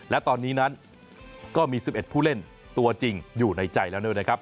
และตอนนี้นั้นก็มี๑๑ผู้เล่นตัวจริงอยู่ในใจแล้วด้วยนะครับ